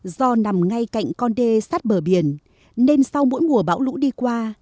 do nằm ngay cạnh con đê sát bờ biển nên sau mỗi mùa bão lũ đi qua